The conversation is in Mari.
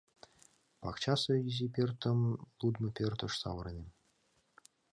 Пакчасе изи пӧртым лудмо пӧртыш савырынем.